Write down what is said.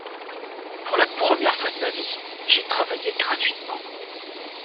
Pour la première fois de ma vie, j’ai travaillé gratuitement.